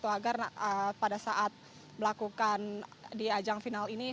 agar pada saat melakukan di ajang final ini